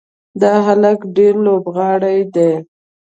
دا هلک ډېر لوبغاړی دی.